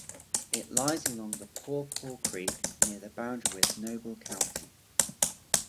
It lies along the Paw Paw Creek near the boundary with Noble County.